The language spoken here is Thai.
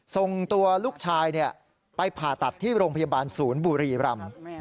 ส่งตัวลูกชายไปผ่าตัดที่โรงพยาบาลศูนย์บุรีรำ